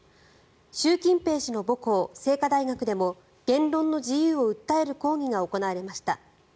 習近平氏の母校、清華大学でも言論の自由を訴える抗議が行われました。